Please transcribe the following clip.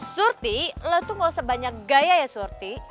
surti lo tuh gak usah banyak gaya ya surti